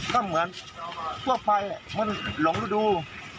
ก็เหมือนทั่วไปมันหลงฤดู